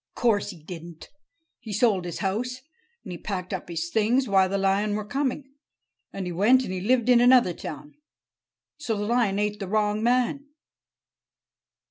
"Course he didn't. He sold his house, and he packed up his things, while the lion were coming. And he went and he lived in another town. So the lion ate the wrong man."